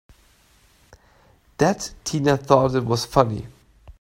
That Tina thought it was funny!